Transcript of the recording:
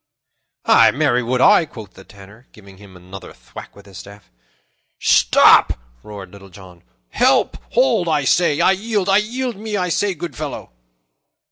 "Ay, marry would I," quoth the Tanner, giving him another thwack with his staff. "Stop!" roared Little John. "Help! Hold, I say! I yield me! I yield me, I say, good fellow!"